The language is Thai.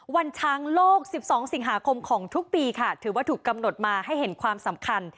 วันช้างโลก๑๒สิงหาคมของทุกปีค่ะถือว่าถูกกำหนดมาให้เห็นความสำคัญ